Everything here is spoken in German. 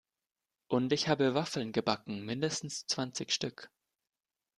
Und ich habe Waffeln gebacken, mindestens zwanzig Stück!